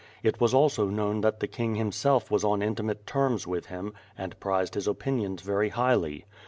It was also known that the King himself was on intimate terms with him and prized his opin ions very highly.